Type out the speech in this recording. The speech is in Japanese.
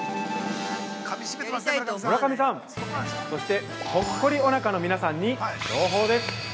◆村上さん、そしてポッコリおなかの皆さんに朗報です！